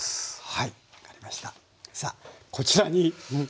はい。